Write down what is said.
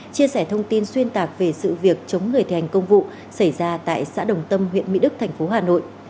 chia sẻ thông tin xuyên tạc về sự việc chống người thi hành công vụ xảy ra tại xã đồng tâm huyện mỹ đức thành phố hà nội